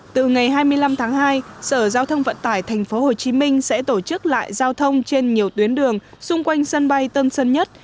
từ ngày hai mươi năm tháng hai sở giao thông vận tải tp hcm sẽ tổ chức lại giao thông trên nhiều tuyến đường xung quanh sân bay tân sơn nhất